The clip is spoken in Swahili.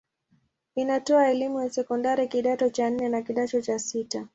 Inatoa elimu ya sekondari kidato cha nne na kidato cha sita.